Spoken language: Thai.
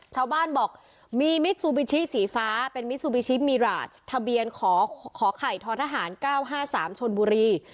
ชาวบ้านบอกมีมิสุบิชิสีฟ้าเป็นมิสุบิชิมีราชทะเบียนขอข่าวไข่ท้อทหารเก้าห้าสามชนบุรี